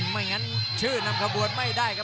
ไม่งั้นชื่อนำขบวนไม่ได้ครับ